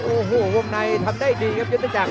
โอ้โหวงในทำได้ดีครับยุทธจักร